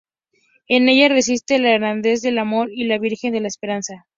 En ella reside la Hermandad del Amor y la Virgen de la Esperanza.